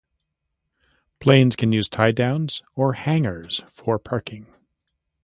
Planes can use tiedowns or hangars for parking.